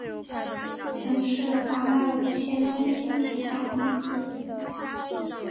曾是华脉无线通信旗下公司。